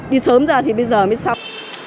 đi sớm ra thì bây giờ mới xong